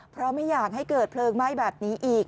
เพราะไม่อยากให้เกิดเพลิงไหม้แบบนี้อีก